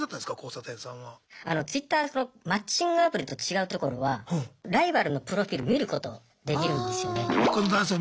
あのＴｗｉｔｔｅｒのマッチングアプリと違うところはライバルのプロフィール見ることできるんですよね。